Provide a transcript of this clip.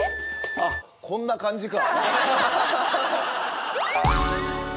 あっこんな感じか。